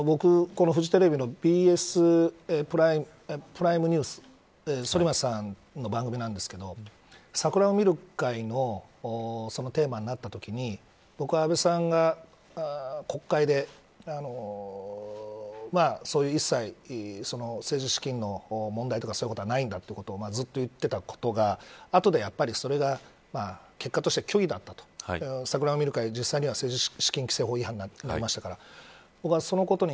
このフジテレビのＢＳプライムニュース、反町さんの番組なんですけど桜を見る会のテーマになったときに僕は安倍さんが国会で一切、政治資金の問題とかそういうことはないんだとずっと言っていたことがあとでやっぱりそれが結果として虚偽だったと桜を見る会、実際には政治資金規制違反になりましたから。